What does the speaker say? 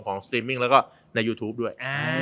สตรีมมิ่งแล้วก็ในยูทูปด้วย